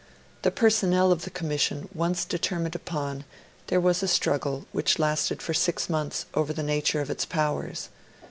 The personnel of the Commission once determined upon, there was a struggle, which lasted for six months, over the nature of its powers.